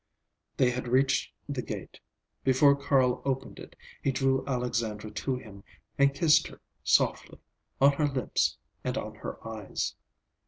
They had reached the gate. Before Carl opened it, he drew Alexandra to him and kissed her softly, on her lips and on her eyes.